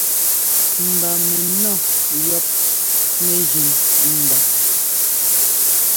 Mba mɛnɔ́ yɔ́p nɛ́jʉ̈n ndá.